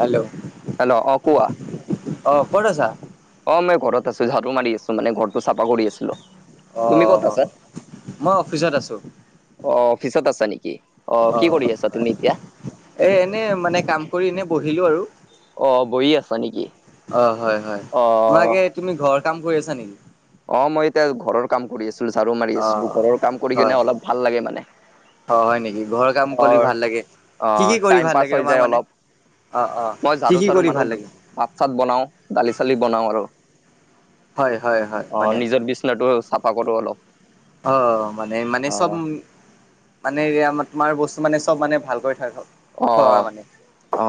Hello hello, অ' কোৱা। অ' ক'ত আছা? অ' মই ঘৰত আছো। ঝাৰু মাৰি আছোঁ মানে ঘৰটো চাফা কৰি আছিলো। অ', তুমি অ', ক'ত অ', অ', আছা ম‌ই অফি ফিচত আছোঁ অ, অফিচত আছা নেকি? অ কি কৰি আছা হয় তুমি এতিয়া? এ এনেই মানে, কাম কৰি এনে বহিলো আৰু অ বহি আছা নেকি অ' হয়, হয়, অ তোমাক এ তুমি ঘৰৰ কাম কৰি আছা নেকি? অ' মই এতিয়া ঘৰৰ কাম কৰি আছিলো। ঝাৰু মাৰি অ আছিলো। ঘৰৰ কাম কৰি হয় কিনে অলপ ভাল লাগে মানে অ, হয় নেকি, ঘৰৰ কাম অ কৰি ভাল লাগে? অ কি কি কৰি টাইম ভাল পাছ লাগে হৈ যায় তোমাক মানে? অলপ অ, অ, মই কি ঝাৰু কি চাৰু কৰি মাৰো ভাল লাগে? ভাত চাত বনাও দালি চালি বনাও আৰু, হয় হয় হয় অ' মানে নিজৰ বি [unintelligible] চাফা কৰোঁ অলপ। অ' মানে মানে অ চব মানে [unintelligible] তোমাৰ বস্তু মানে চব মানে ভাল কৰি থৈ হক, অ থোৱা মানে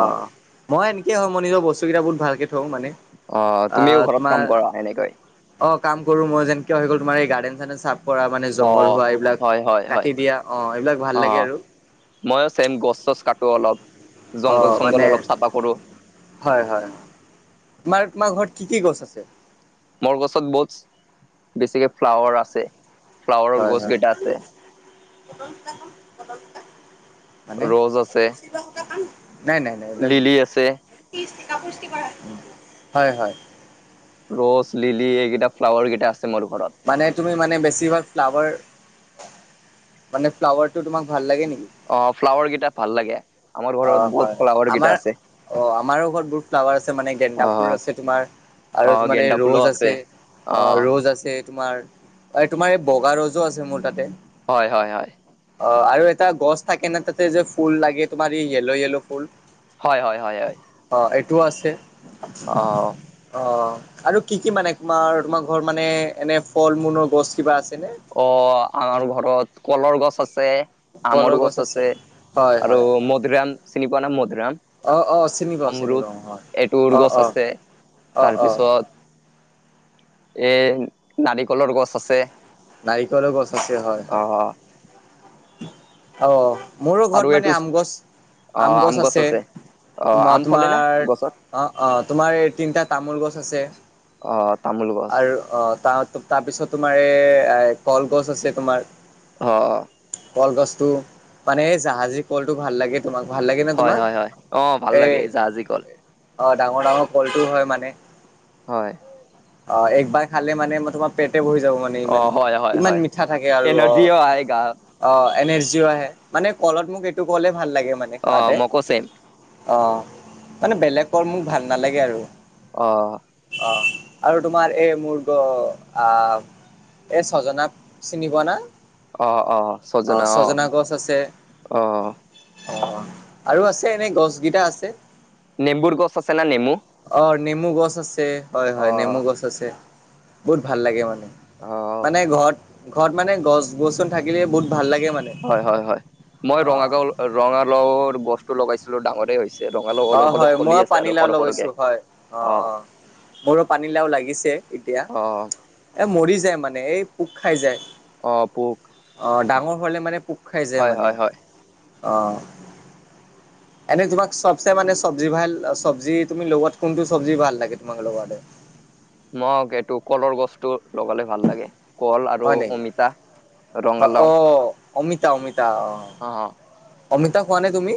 অ'। মই এনেকেই হওঁ মই নিজৰ বস্তুকেইটা বহুত ভালকে থওঁ মানে। অ' আহ তুমিও ঘৰত তোমাৰ কাম কৰা এনেকৈ। অ' কাম কৰোঁ মই যেনকে হৈ গ'ল তোমাৰ এই গাৰ্ডেন গাৰ্ডেন চাফ পৰা মানে অ জংঘল হোৱা এইবিলাক হয় হয় হয় কাটি দিয়া অ' এইবিলাক ভাল লাগে আৰু। মইও ছেম গছ চছ কাটোঁ অলপ। জংঘল অ' চংঘল মানে অলপ চাফা কৰো। হয় হয়, তোমাৰ তোমাৰ ঘৰত কি কি গছ আছে? মোৰ গছত বহুত বেছিকে ফ্লাৱাৰ আছে, ফ্লাৱাৰৰ হয় গছ হয় কেইটা আছে। মানে। ৰ'জ আছে, নাই নাই নাই নাই লিলি আছে। এইবিলাক, হয় হয়। ৰ'জ, লিলি এইকেইটা ফ্লাৱাৰকেইটা আছে মোৰ ঘৰত। মানে তুমি মানে বেছিভাগ ফ্লাৱাৰ, মানে ফ্লাৱাৰটো তোমাক ভাল লাগে নেকি। অ' ফ্লাৱাৰ কেইটা ভাল লাগে আমাৰ অ ঘৰত হয় বহুত ফ্লাৱাৰ আমাৰ কেইটা আছে। অ' আমাৰো ঘৰত বহুত ফ্লাৱাৰ আছে মানে গেন্দা ফুল অ' আছে তোমাৰ। আৰুজ অ' মানে গেন্দা ফুলো ৰ'জ আছে, অ' ৰ'জ আছে। তোমাৰ, তোমাৰ এই বগা ৰ'জো আছে মোৰ তাতে। হয় হয় হয়। অ' আৰু এটা গছ থাকে নে তাতে যে ফুল লাগে তোমাৰ এই য়েলো য়েলো ফুল। হয় হয় হয় হয়। অ' এইটো আছে। অ'। অ' আৰু কি কি মানে তোমাৰ, তোমাৰ ঘৰত মানে এনে ফল মূনৰ গছ কিবা আছে নে? অ' আমাৰ ঘৰত কলৰ গছ আছে। আমৰ গছ আছে হয় আৰু হয় মধুৰিয়াম চিনি পোৱা নে মধৰাম। অ অ চিনি পাওঁ চিনি অমৰুত পাওঁ হয় এইটোৰ অ গছ অ আছে অ অ তাৰপিছত এই নাৰিকলৰ গছ আছে। নাৰিকলৰ গছ আছে হয় হয়। আহ অ' মোৰো আৰু ঘৰত এইটো মানে আম গছ, আম গছ আছে। অ আম ফলে না তোমা-তোমাৰ অ', গছত অ', তোমাৰ এই তিনিটা তামোল গছ আছে। অ' তামুল গছ। আৰু অ' তা-তাৰপিছত তোমাৰ এই এ, কলগছ আছে তোমাৰ। হ। কলগছটো মানে জাহাজী কলটো ভাল লাগে। তোমাক ভাল লাগে নে হয় তোমাক, হয় হয় অ ভাল এ লাগে জাহাজী কল অ' ডাঙৰ ডাঙৰ কলটোও হয় মানে। হয়। অ' একবাৰ খালে মানে মই তোমাৰ পেটে ভৰি যাব মানে অ ইমান, ইমান মিঠা থাকে আৰু অ'। পায় গা অ' এনাৰজিও আহে, মানে কলত মোক এইটো কলে ভাল লাগে মানে অ খাতে। মকো চেম অ' মানে বেলেক কল মোক ভাল নালাগে আৰু। অ'। অ' আৰু তোমাৰ এই [unintelligible] আহ এই ছজনা চিনি পোৱা না? অ', অ', ছজনা অ', অ'। অ' আৰু আছে এনেই গছ কেইটা আছে। নেম্বুুৰ গছ আছে নে নেমু? অ' নেমু গছ আছে হয় অ হয় নেমু গছ আছে, বহুত ভাল লাগে মানে। অ মানে ঘৰত, ঘৰত মানে গছ গছনি থাকিলে বহুত ভাল লাগে মানে। হয় হয় হয়। মই অ ৰঙা গাও ৰঙালওৰ গছটো লগাইছিলোঁ ডাঙৰে হৈছে। ৰঙালাও অলপ অ' অলপ হয়। ফলি মই আছে আৰু পানীলাও সৰু সৰুকে লগাইছোঁ হয়। অ', অ'। মোৰো পানীলাও লাগিছে এতিয়া, অ এ, মৰি যায় মানে এই পোক খাই যায়। অ' পোক। অ' ডাঙৰ হ'লে মানে পোক খাই যাই হয় মানে। হয় হয় অ'। এনে তোমাক চব চে মানে চব্জি ভাল, চব্জি তুমি লগোৱাত কোনটো চব্জি ভাল লাগে তোমাক লগালে? মক এইটো কলৰ গছটো লগালে ভাল লাগে। কল আৰু অমিতা। পা ৰঙালাও অ' অমিতা, অমিতা অ'। অ', অ'। অমিতা খোৱানে তুমি?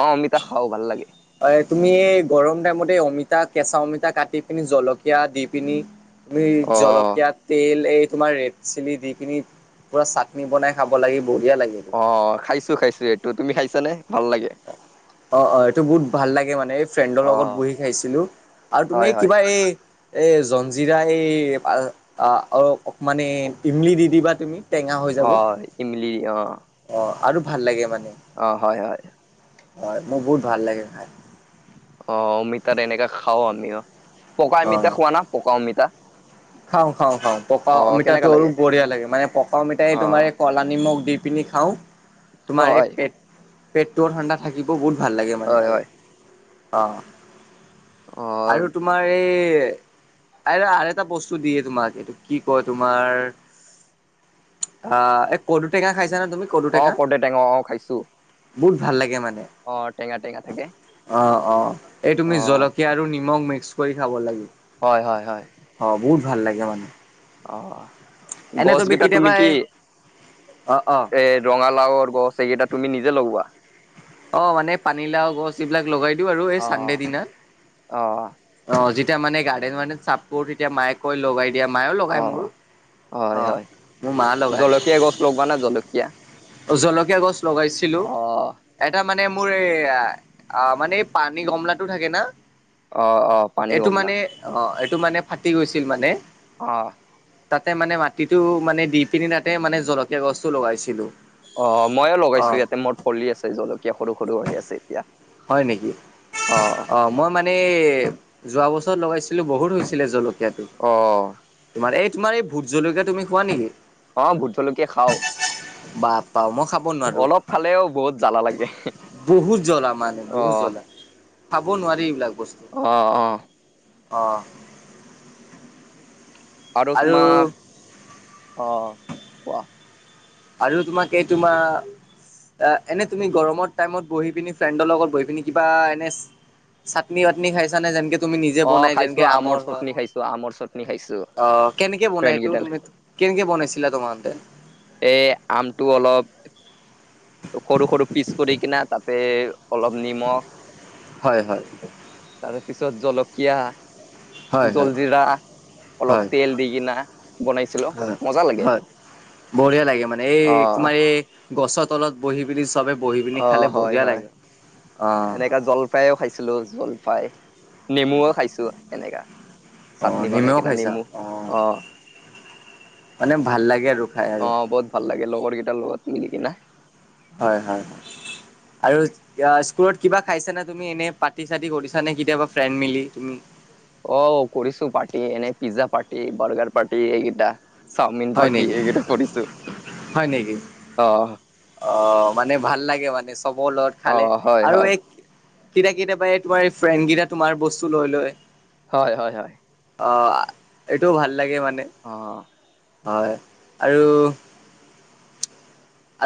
অ' অমিতা খাওঁ ভাল লাগে। এই তুমি এই গৰম টাইমতে অমিতা, কেঁচা অমিতা কাটি পিনি জলকীয়া দি পিনি তুমি অ জলকীয়াত তেল এই তোমাৰ ৰেড চিলি দি কিনি পোৰা চাটনি বনাই খাব লাগি বঢ়িয়া লাগে। এইটো। অ' খাইছোঁ খাইছোঁ এইটো। তুমি খাইছানে? ভাল লাগে। অ', অ' এইটো বহুত ভাল লাগে মানে, এই ফ্ৰেণ্ডৰ অ লগত বহি খাইছিলোঁ। আৰু তুমি হয় হয় কিবা এই এই জঞ্জিৰা এই আ, অ' এ অ-অকমান এ, ইমলি দি দিবা তুমি। টেঙা হৈ যাব অ' ইমলি অ'। অ' আৰু ভাল লাগে মানে। অ' হয় হয়। হয় মোৰ বহুত ভাল লাগে খাই। অ' অমিতা তেনেকা খাওঁ আমি অ'। পকা অমিতা অ'। খোৱা না পকা অমিতা? খাওঁ খাওঁ খাওঁ। পকা অ অমিতাটো কেনেকা আৰু লাগে বঢ়িয়া লাগে মানে পকা অমিতাই তোমাৰ অ এই ক'লা নিমখ দি পিনি খাওঁ, তোমাৰ এই হয় পেট পেটটোও ঠাণ্ডা থাকিব বহুত ভাল লাগে মানে হয় আৰু হয় অ'। অ আৰু তোম তোমাৰ এ, আৰ আন এটা বস্তু তো দিয়ে তোমাক, এইটো কি কয় তোমাৰ আ, এই কৰ্দৈ টেঙা খাইছানে তুমি? কদু অ' টেঙা কৰ্দৈ টেঙা অ' খাইছোঁ। বহুত ভাল লাগে মানে। অ' টেঙা টেঙা থাকে। অ', অ' এই অ তুমি জলকীয়া আৰু নিমখ মিক্স কৰি খাব লাগিব। হয় হয় হয়। অ' বহুত ভাল লাগে মানে। অ' এনে গছকেইটা তুমি কেতিয়াবা কি অ অ এ ৰঙালাওৰ গছ এইকেইটা তুমি নিজে লগোৱা? অ' মানে পানীলাও গছ এইবিলাক লগাই দিওঁ আৰু এই অ চানডে দিনা অ অ' যি তিয়া মানে গাৰ্ডন মাৰ্দেন চাপ কৰোঁ তেতিয়া মায়ে কই লগাই দিয়া মায়ো অ লগায় মোৰ। অ' মোৰ মা লগায়। প্ৰৱানা জলকীয়া। জলকীয়া গছ লগাইছিলোঁ। অ এটা মানে মোৰ এই মানে এই পানী গমলটো থাকে না। অ অ পানী এইটো গমলা মানে অ' এইটো মানে ফাটি গৈছিল মানে। অ'। তাতে মানে মাটিটো মানে দি পিনি তাতে মানে জলকীয়া গছটো লগাইছিলোঁ। অ' ময়ো লগাইছোঁ ইয়াতে, মোৰ পলি আছে জলকীয়া সৰু সৰু হৈ আছে এতিয়া। হয় নেকি? অ' মই মানে যোৱা বছৰত লগাইছিলোঁ, বহুত হৈছিলে জল কিয়াটো। অ তোমাৰ এই তোমাৰ এই ভোট জলকীয়া তুমি খোৱা নেকি? অ', ভোট জলকীয়া খাও বাপ পাও মই খাব নোৱাৰো অলপ খালেও বহুত জ্বালা লাগে বহুত জ্বল আমাৰ অ বহুত জ্বলা খাব নোৱাৰি এইবিলাক বস্তু। অ', অ' অ' আৰু তোমাক অ', কোৱা আৰু তোমাক কেই তোমাৰ এনে তুমি গৰমৰ টাইমত বহি পিনি ফ্ৰেণ্ডৰ লগত বহি পিনি কিবা এনে চাটনি ৱাটনি খাইছা নে যেনকে তুমি নিজে অ বনাই খাইছো যেনেকে আমৰ হয় চাটনি খাইছো আমৰ চাটনি খাইছো অ', কেনেকে ফ্ৰেণ্ড বনাইতটো কেইডাল তুমি কেনেকে বনাইছিলা তোমালোকে এই আমটো অলপ সৰু সৰু পিচ কৰি কিনা তাতে অলপ নিমখ হয় হয়। তাৰ পিছত জলকীয়া হয় হয় জলজিৰা অলপ হয় তেল দি কিনা বনাইছিলো হয় মজা লাগে হয় বঢ়িয়া লাগে মানে এই অ তোমাৰ এই গছৰ তলত বহি পেলি চবে বহি পিনি অ খালে হয় বঢিয়া হয় লাগে। অ এনেকা জলফাইও খাইছিলো জলফাই নেমুও খাইছো এনেকা অ চাটনি বনাই নেমেও কিনে খাইছা নিমু অ আহ মানে ভাল লাগে আৰু খাই আৰু বহুত ভাল লাগে লগৰকেইটাৰ লগত মিলিকিনে হয় হয় হয় আৰু স্কুলত কিবা খাইছা তুমি এনে পাৰ্টি চাৰটি কৰিচা নে কেতিয়াবা ফ্ৰেণ্ড মিলি তুমি অ', কৰিছো পাৰ্টি এনেই পিজ্জা পাৰ্টি, বাৰ্গাৰ পাৰ্টি এইকেইটা চাওমিন হয় পাৰটি নেকি সেইকেইটা কৰিছো হয় নেকি অ' অ' মানে ভাল লাগে মানে চবৰ লগত খালে অ', হয়, আৰু হয়, এই কেইটা কেইতিয়াবা এই তোমাৰ এই ফ্ৰেণ্ড কেইটা তোমাৰ বস্তু লৈ লয় হয় হয় হয়। অ', এইটোও ভাল লাগে মানে অ', হয় আৰু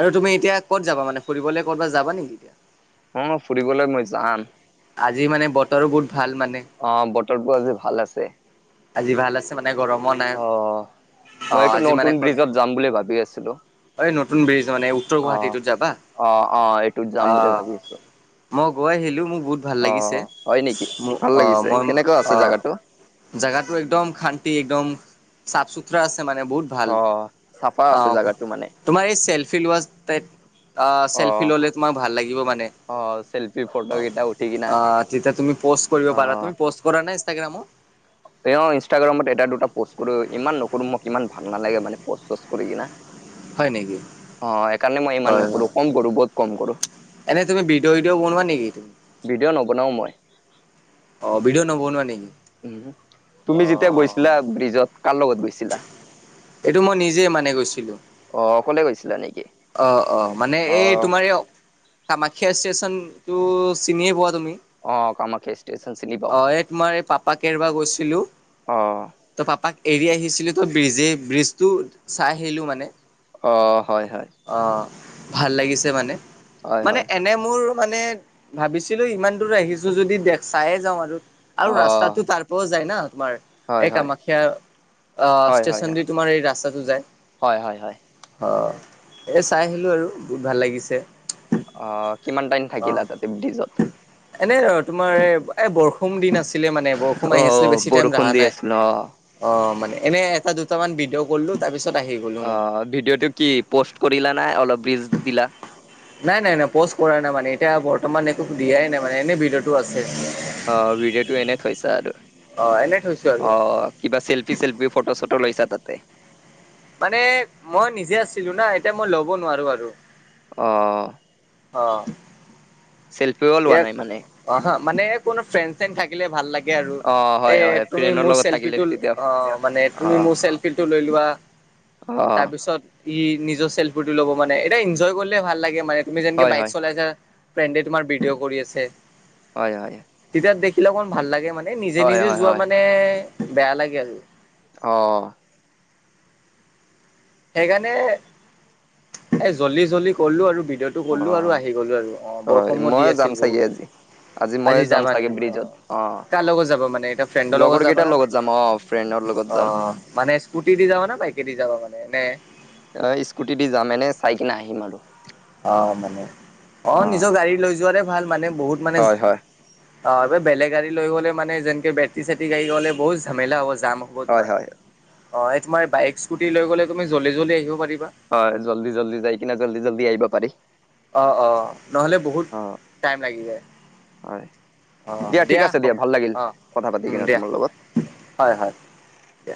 আৰু তুমি এতিয়া ক'ত যাব মানে ফুৰিবলৈ ক'ৰবাত যাবা নেকি এতিয়া অ', ফুৰিবলৈ মই যাম আজি মানে বতৰো বহুত ভাল মানে অ', বতৰটো আজি ভাল আছে। আজি ভাল আছে মানে গৰমো নাই অ', অ মই এইটো আজি নতুন মানে ক'ত ব্ৰিজত যাম বুলি ভাবি আছিলো অ', এই নতুন ব্ৰিজ মানে উত্তৰ অ', গুৱাহাটীটোত যাবা অ', এইটো যাম বুলি অ ভাবি আছো। মই গৈ আহিলো মোক বহুত ভাল লাগিছে অ', হয় নেকি মোক ভাল লাগিছে কেনেকুৱা আছে জোগাটো জাগাটো একদম শান্তি একদম চাফ চুতৰা আছে মানে বহুত ভাল অ', চাফা আছে অ', জাগাটো মানে তোমাৰ এই চেলফি লোৱা ষ্টেণ্ড অ', চেল্ফি ল'লে তোমাক ভাল লাগিব মানে। অ', চেল্ফি ফটো কেইটা উঠি কিনা অ', তেতিয়া তুমি পষ্ট কৰিব পাৰা অ', তুমি পষ্ট কৰা নাই ইনষ্টাগ্ৰামত তেওঁ ইনষ্টাগ্ৰামত এটা দুটা পোষ্ট কৰোঁ ইমান নকৰোঁ মোক ইমান ভাল নালাগে মানে প'ষ্ট চষ্ট কৰি কিনা হয় নেকি। অ', সেইকাৰণে মই ইমান হয় হয় নকৰো কম কৰো বহুত কম কৰো এনে তুমি ভিডিঅ' ইউিঅ' বনোৱা নেকি? ভিডিঅ' নবনাও মই। অ', ভিডিঅ' নবনোৱা নেকি উম অ তুমি যেতিয়া গৈছিলা ব্ৰিজত কাৰ লগত গৈছিলা? এইটো মই নিজেই মানে গৈছিলোঁ। অ' অকলে গৈছিলা নেকি? অ' অ' মানে অ এই তোমাৰ কামাখ্যা ষ্টেচনটো চিনিয়ে পোৱা তুমি? অ কামাখ্যা ষ্টেচন চিনি পাওঁ অ ' এই তোমাৰ এই পাপাক এৰিব গৈছিলো। অ ত' পাপাক এৰি আহিছিলো ত' ব্ৰিজেই ব্ৰিজটো চাই আহিলোঁ মানে। অঁ হয় হয়। অঁ ভাল লাগিছে মানে হয় মানে হয় এনে মোৰ মানে ভাবিছিলো ইমান দূৰ আহিছো যদি দে চাইে যাওঁ আৰু, আৰু অ ৰাস্তাটো তাৰ যায় না তোমাৰ হয় এই হয় কামাখ্যা অ' হয় হয় ষ্টেচন হয় দি তোমাৰ এই ৰাস্তাটো যায়। হয় হয় হয়। অঁ। এ চাই আহিলো আৰু বহুত ভাল লাগিছে। অ' কিমান টাইম অ থাকিলা তাতে ব্ৰিজত? এনে ৰ তোমাৰ এ বৰষুণ দিন আছিলে মানে। বৰষুণ অ আহিছিল বেছি টাইম বৰষুণ ৰহা দি নাই। আছিল অ অ' মানে এনে এটা দুটামান বি কৰলো তাৰপছত আহি গ'ল। অ' ভিডিঅ'টো কি প'ষ্ট কৰিলা নাই অলপ ৰিলজ দিলা? নাই নাই নাই প'ষ্ট কৰা নাই মানে এতিয়া বৰ্তমান একো দিয়াই নাই মানে এনে ভিডিঅ'টো আছে। অ' ভিডিঅ'টো এনেই থৈছা আৰু অ এনে থৈছো আৰু অ'। কিবা চেল্ফি চেল্ফি ফটো-চটো লৈছা তাতে? মানে মই নিজে আছিলো না এতিয়া মই ল'ব নোৱাৰো আৰু। অ'। অ'। চেল্ফিওঁ লোৱা ইয়াক নাই মানে? অ' হ মানে কোনো ফ্ৰেণ্ড-চেণ্ড থাকিলে ভাল লাগে আৰু। অ এ হয় হয় তুমি ফ্ৰেণ্ডৰ মোৰ লগত চেল্ফি থাকিলে টো তেতিয়া অ মানে অ তুমি মোৰ চেল্ফিটো লৈ লোৱা। অ তাৰ পিছত ই নিজৰ চেল্ফি টো ল'ব মানে এনে এনজয় কৰিলে ভাল লাগে মানে। তুমি যেনেকে হয় বাইক হয় চলাই আছা ফ্ৰেণ্ডে তোমাৰ ভিডিঅ' কৰি আছে। হয় হয়। তেতিয়া দেখিলে অকমান ভাল লাগে মানে নিজে হয় নিজে হয় যোৱা হয় মানে বেয়া লাগে আৰু। অ'। সেইকাৰণে এ জল্দি জল্দি কৰিলো আৰু ভিডিঅ'টো। টো অ কৰলো আৰু আহি গ'লো আৰু অ' হয় বৰষুণো দি মইয়ে যাম আছিল চাগে আজি বহুত। মইয়ে আজি যাম যাবা চাগে নেকি? অ' ব্ৰিজত কাৰ লগত যাবা মানে এটা ফ্ৰেণ্ডৰ লগৰ লগত যাবা কেইটাৰ না যাম অ ফ্ৰেণ্ডৰ লগত যাম অ' মানে স্কুটি দি যাবা নে বাইকে দি যাবা? মানে এনে অ' স্কুটি দি যাম এনে চাই কিনে আহিম আৰু। অ' মানে অ নিজৰ গাড়ী লৈ যোৱাতে ভাল। মানে বহুত মানে হয় হয় অ' এই বেলেগ গাড়ী লৈ গ'লে মানে যেনেকে বেটেৰী- চেটৰী গাড়ী হ'লে বহুত জামেলা হব যাম হব। হ'ব হয় তোমাৰ হয় অ' এই তোমাৰ বাইক স্কুটি লৈ গ'লে তুমি জল্দি জল্দি আহিব পাৰিবা। হয় জল্দি জল্দি যাই কিনে জল্দি জল্দি আহিব পাৰি। অঁ অঁ নহ'লে বহুত অ টাইম লাগি যায়। হয় অ' ঠিক দিয়া আছে হব ভাল লাগিল অ' কথা পাতি উম কিনে দিয়া তোমাৰ লগত। হয় হয়। দিয়া।